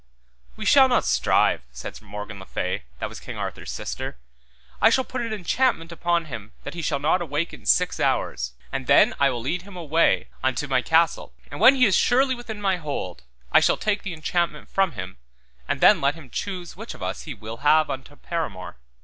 We shall not strive, said Morgan le Fay, that was King Arthur's sister, I shall put an enchantment upon him that he shall not awake in six hours, and then I will lead him away unto my castle, and when he is surely within my hold, I shall take the enchantment from him, and then let him choose which of us he will have unto paramour.